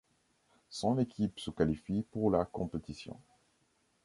Son équipe se qualifie pour la compétition.